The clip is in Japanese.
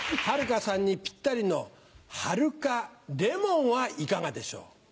はるかさんにぴったりのはるかレモンはいかがでしょう？